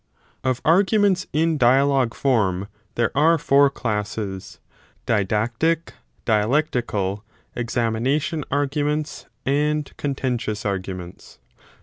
Of arguments in dialogue form there are four classes : 2 Didactic, Dialectical, Examination arguments, and Con i6s b tentious arguments.